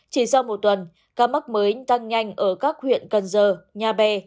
chỉ sau một tuần ca mắc mới tăng nhanh ở các huyện cần giờ nhà bè